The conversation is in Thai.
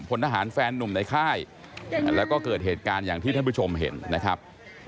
พลทหารแฟนนุ่มในค่ายแล้วก็เกิดเหตุการณ์อย่างที่ท่านผู้ชมเห็นนะครับ